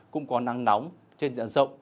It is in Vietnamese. cũng có nắng nóng trên dạng rộng